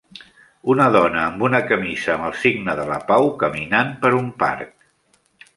Una dona amb una camisa amb el signe de la pau caminant per un parc.